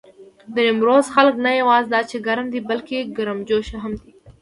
د نيمروز خلک نه یواځې دا چې ګرم دي، بلکې ګرمجوش هم دي.